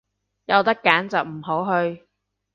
有得揀就唔好去